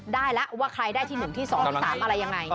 ได้แล้วว่าใครได้ที่๑ที่๒ที่๓อะไรยังไง